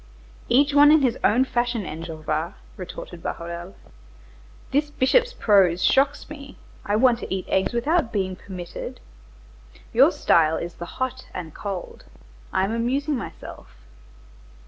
"Each one in his own fashion, Enjolras," retorted Bahorel. "This bishop's prose shocks me; I want to eat eggs without being permitted. Your style is the hot and cold; I am amusing myself.